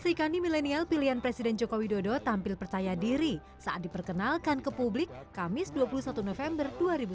seikani milenial pilihan presiden joko widodo tampil percaya diri saat diperkenalkan ke publik kamis dua puluh satu november dua ribu sembilan belas